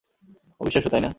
অবিশ্বাস্য, তাই না?